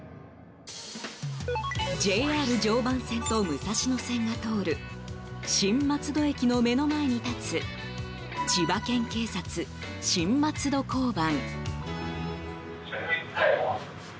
ＪＲ常磐線と武蔵野線が通る新松戸駅の目の前に立つ千葉県警察、新松戸交番。